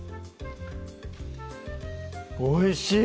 おいしい！